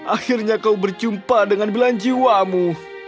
akhirnya kau berjumpa dengan belanjiwamu